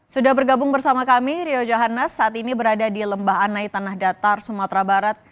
sudah bergabung bersama kami rio johannes saat ini berada di lembah anai tanah datar sumatera barat